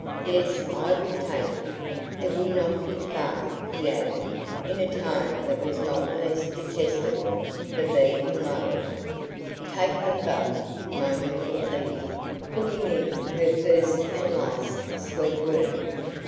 Yes, I would take him. It will not be far," he added, in a tone that was not the less detestable for being lowered. "Take them both!" moaned little Eva, putting in her first and last sweet word.